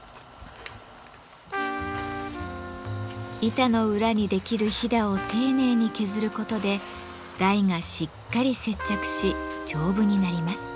板の裏にできるひだを丁寧に削ることで台がしっかり接着し丈夫になります。